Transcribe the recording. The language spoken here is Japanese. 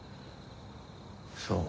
そう。